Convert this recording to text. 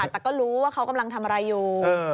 แต่ก็รู้ว่าเขากำลังทำอะไรอยู่